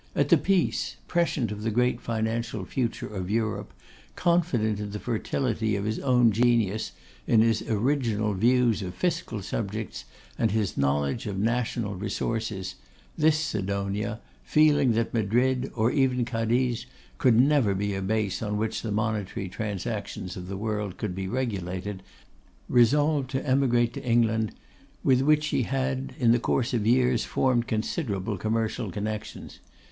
At the peace, prescient of the great financial future of Europe, confident in the fertility of his own genius, in his original views of fiscal subjects, and his knowledge of national resources, this Sidonia, feeling that Madrid, or even Cadiz, could never be a base on which the monetary transactions of the world could be regulated, resolved to emigrate to England, with which he had, in the course of years, formed considerable commercial connections.